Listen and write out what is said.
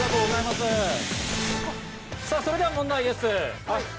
それでは問題です。